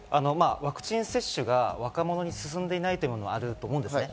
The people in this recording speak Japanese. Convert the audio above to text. ワクチン接種が若者に進んでいないというのもあると思うんですね。